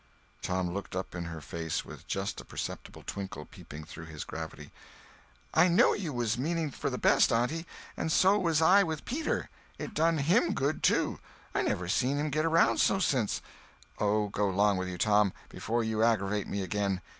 Tom looked up in her face with just a perceptible twinkle peeping through his gravity. "I know you was meaning for the best, aunty, and so was I with Peter. It done him good, too. I never see him get around so since—" "Oh, go 'long with you, Tom, before you aggravate me again.